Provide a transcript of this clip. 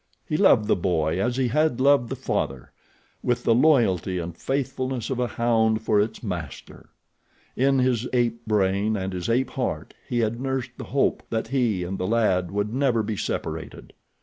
He loved the boy as he had loved the father, with the loyalty and faithfulness of a hound for its master. In his ape brain and his ape heart he had nursed the hope that he and the lad would never be separated.